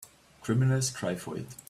Criminals cry for it.